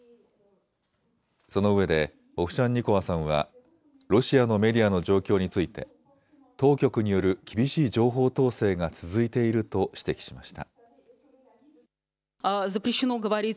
そのうえでオフシャンニコワさんはロシアのメディアの状況について当局による厳しい情報統制が続いていると指摘しました。